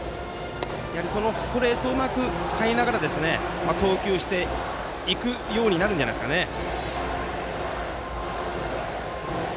そのストレートをうまくつかいながら投球していくようになるんじゃないですかね。